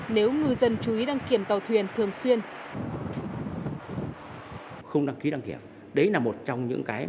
nếu ngư dân chú ý đăng kiểm tàu thuyền thường xuyên